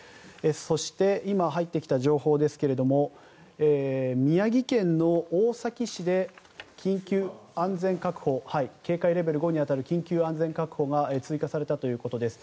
そして、今入ってきた情報ですが宮城県大崎市で緊急安全確保警戒レベル５に当たる緊急安全確保が追加されたということです。